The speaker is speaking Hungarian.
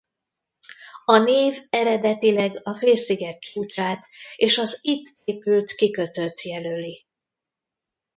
A név eredetileg a félsziget csúcsát és az itt épült kikötőt jelöli.